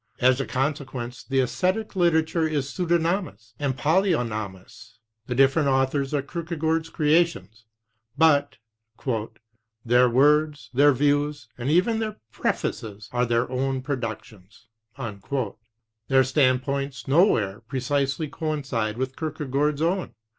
As a consequence, the esthetic literature is pseudonymous and polyonymous; the different authors are Kierkegaard's creations, but ' 'their words, 17 their views, and even their prefaces, are their own productions," their standpoints nowhere precisely coinciding with Kierke gaard's own.